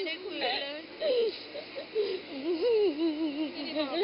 ไม่ได้คุยอะไรเลย